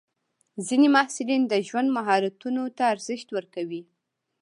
ځینې محصلین د ژوند مهارتونو ته ارزښت ورکوي.